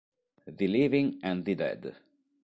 The Living and the Dead